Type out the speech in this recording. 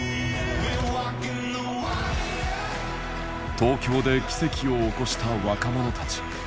東京で奇跡を起こした若者たち。